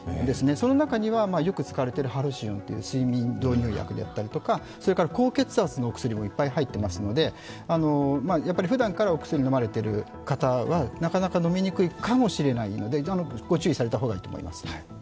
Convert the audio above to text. その中にはハルシオンという睡眠導入薬であったりとか高血圧のお薬もいっぱい入っていますのでやっぱりふだんからお薬飲まれている方はなかなか飲みにくいかもしれないので、ご注意された方がいいと思います。